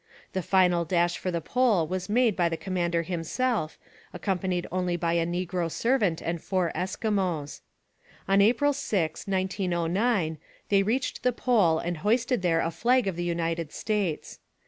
The final dash for the Pole was made by the commander himself, accompanied only by a negro servant and four Eskimos. On April 6, 1909, they reached the Pole and hoisted there the flag of the United States.